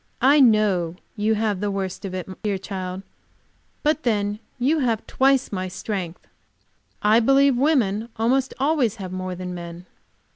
I know you have the worst of it, dear child, but then you have twice my strength. I believe women almost always have more than men."